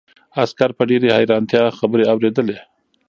عسکر په ډېرې حیرانتیا خبرې اورېدلې.